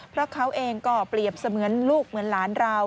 เพราะเขาเองก็เปรียบเสมือนลูกเหมือนหลานเรา